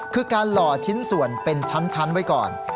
คือการหล่อชิ้นส่วนเป็นชั้นไว้ก่อน